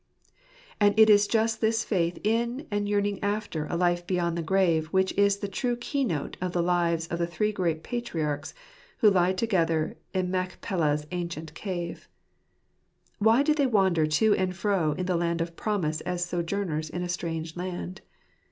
And it is just this faith in and yearning after a life beyond the grave which is the true key note of the lives of the three great patriarchs who lie together in Machpelah's ancient cave. Why did they wander to and fro in the land of promise as sojourners in a strange land?